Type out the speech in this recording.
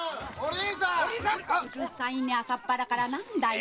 うるさいね朝から何だよ。